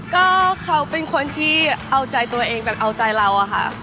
ก็เขาเป็นคนที่เอาใจตัวเองแบบเอาใจเราอะค่ะ